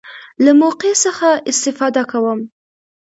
له موقع څخه استفاده کوم.